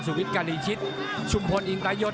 วิทย์การีชิตชุมพลอินตายศ